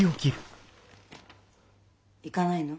行かないの？